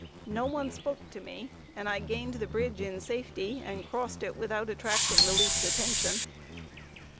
No one spoke to me, and I gained the bridge in safety, and crossed it without attracting the least attention.